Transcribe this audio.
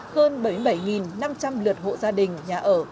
hơn bảy mươi bảy năm trăm linh lượt hộ gia đình nhà ở